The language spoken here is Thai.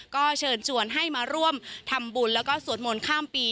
ก็เชิญชวนให้มาร่วมทำบุญแล้วก็สวดมนต์ข้ามปี